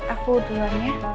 aku duluan ya ayo